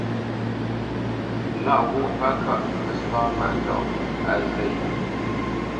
Lâʼ ghwô pə́ kâʼ pə́ sá mbândɔ̂ á zê.